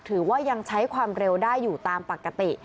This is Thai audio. ถือว่ายังใช้ความเร็วได้อยู่ตามปกติ